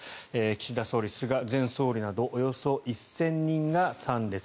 岸田総理、菅前総理などおよそ１０００人が参列。